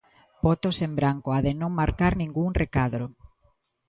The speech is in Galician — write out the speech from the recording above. Votos en branco, a de non marcar ningún recadro.